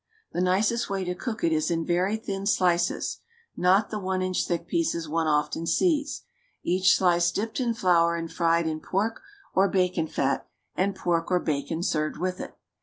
The nicest way to cook it is in very thin slices (not the inch thick pieces one often sees), each slice dipped in flour and fried in pork or bacon fat, and pork or bacon served with it.